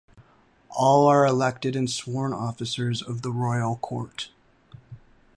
All are elected and sworn officers of the Royal Court.